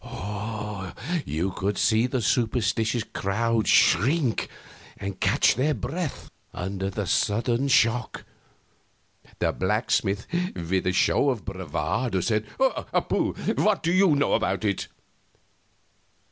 You could see the superstitious crowd shrink and catch their breath, under the sudden shock. The blacksmith, with a show of bravado, said: "Pooh! What do you know about it?"